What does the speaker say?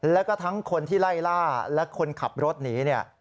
แล้วก็ทั้งคนที่ไล่ล่าและคนขับรถหนีเนี่ย